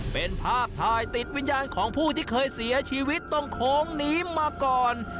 เป็นภาพถ่ายติดวิญญาณของผู้ที่เคยเสียชีวิตตรงโค้งนี้มาก่อน